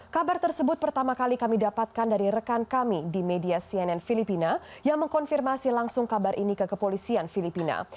kabar tersebut pertama kali kami dapatkan dari rekan kami di media cnn filipina yang mengkonfirmasi langsung kabar ini ke kepolisian filipina